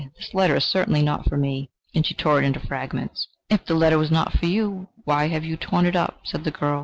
"This letter is certainly not for me." And she tore it into fragments. "If the letter was not for you, why have you torn it up?" said the girl.